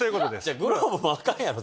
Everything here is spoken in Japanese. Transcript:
グローブもアカンやろ。